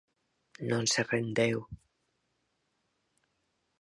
Non se rendeu.